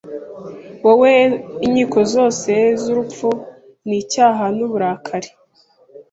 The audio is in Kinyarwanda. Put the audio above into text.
Wowe inkiko zose zurupfu nicyaha nuburakari